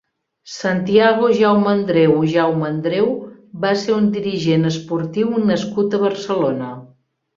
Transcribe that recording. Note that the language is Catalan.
Santiago Jaumandreu Jaumandreu va ser un dirigent esportiu nascut a Barcelona.